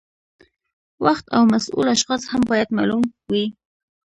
وخت او مسؤل اشخاص هم باید معلوم وي.